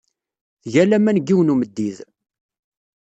Tga laman deg yiwen n umeddid.